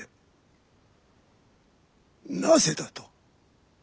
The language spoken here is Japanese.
なぜだと？